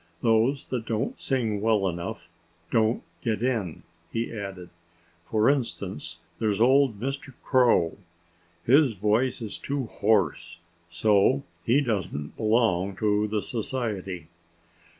"Those that don't sing well enough don't get in," he added. "For instance, there's old Mr. Crow. His voice is too hoarse. So he doesn't belong to the Society."